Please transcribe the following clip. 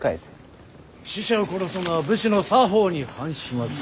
使者を殺すのは武士の作法に反します。